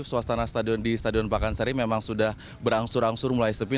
suasana di stadion pakansari memang sudah berangsur angsur mulai sepi